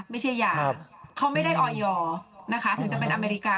ไม่ใช่ยาเขาไม่ได้ออยอร์นะคะถึงจะเป็นอเมริกา